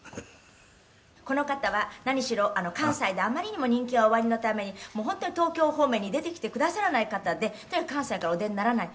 「この方は何しろ関西であまりにも人気がおありのためにもう本当に東京方面に出てきてくださらない方でとにかく関西からお出にならない」